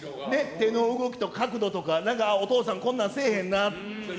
手の動きと角度とか、なんかお父さん、こんなんせえへんなとか。